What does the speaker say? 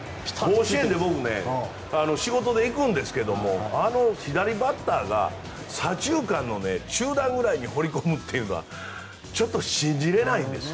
甲子園に僕仕事で行くんですけどあの左バッターが左中間の中段ぐらいに放り込むというのはちょっと信じれないです。